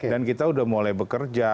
dan kita sudah mulai bekerja